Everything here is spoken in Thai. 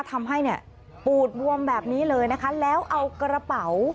ทำให้เนี่ยปูดบวมแบบนี้เลยนะคะแล้วเอากระเป๋า